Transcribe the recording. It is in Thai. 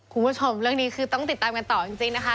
คุณผู้ชมเรื่องนี้คือต้องติดตามกันต่อจริงนะคะ